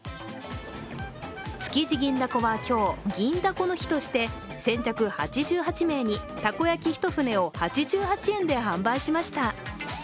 築地銀だこは今日、銀だこの日として先着８８名に、たこ焼き１舟を８８円で販売しました。